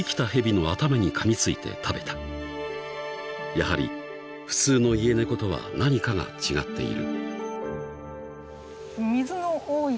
［やはり普通のイエネコとは何かが違っている］